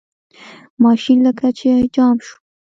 ماشین لکه چې جام شو.